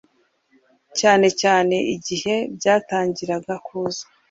cyane cyane igihe byatangiraga kuza